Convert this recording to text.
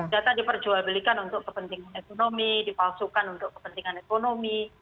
data diperjualbelikan untuk kepentingan ekonomi dipalsukan untuk kepentingan ekonomi